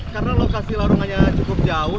karena lokasi larungannya cukup jauh